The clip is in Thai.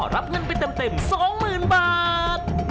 รับเงินไปเต็ม๒๐๐๐บาท